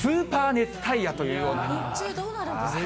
日中、どうなるんですか。